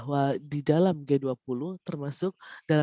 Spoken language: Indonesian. jadi ini adalah pertanya bijvoorbeeld untuk the melhores lambung angle